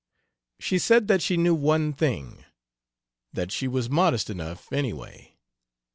She said that she knew one thing: that she was modest enough, anyway.